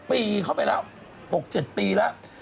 ปีเข้าไปแล้ว๖๗ปีแล้ว